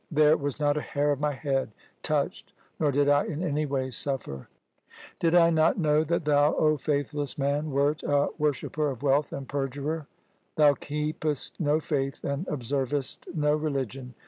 There was not a hair of my head touched, nor did I in any way suffer. ' Did I not know that thou, O faithless man, wert a wor shipper of wealth and perjurer ? Thou keepest no faith and observest no religion.